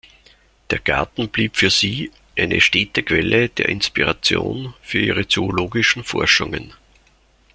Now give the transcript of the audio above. Der Garten blieb für sie eine stete Quelle der Inspiration für ihre zoologischen Forschungen.